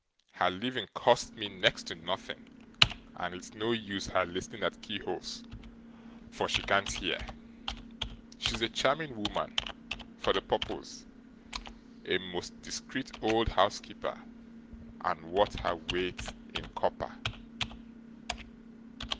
Her living costs me next to nothing; and it's no use her listening at keyholes; for she can't hear. She's a charming woman for the purpose; a most discreet old housekeeper, and worth her weight in copper.